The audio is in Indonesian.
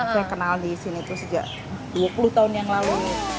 saya kenal di sini itu sejak dua puluh tahun yang lalu